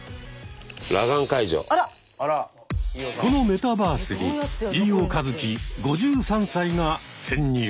このメタバースに飯尾和樹５３歳が潜入。